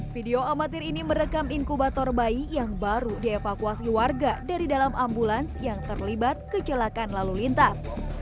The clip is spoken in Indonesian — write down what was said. video amatir ini merekam inkubator bayi yang baru dievakuasi warga dari dalam ambulans yang terlibat kecelakaan lalu lintas